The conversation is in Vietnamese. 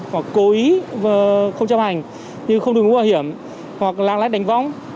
hoặc cố ý không chấp hành như không đường bộ bảo hiểm hoặc lang lát đánh võng